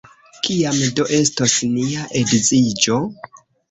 Kiam do estos nia edziĝo?